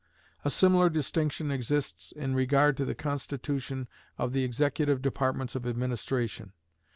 A similar distinction exists in regard to the constitution of the executive departments of administration.